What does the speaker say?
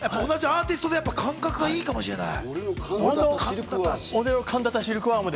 同じアーティストで感覚がいいかもしれない。